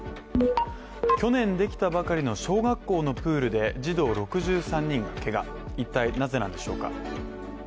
去年できたばかりの小学校のプールで児童６３人がけが、一体なぜなのでしょうか。